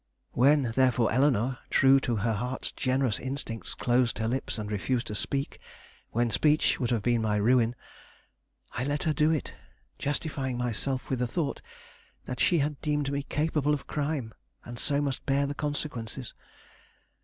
When, therefore, Eleanore, true to her heart's generous instincts, closed her lips and refused to speak when speech would have been my ruin, I let her do it, justifying myself with the thought that she had deemed me capable of crime, and so must bear the consequences.